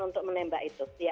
untuk menembak itu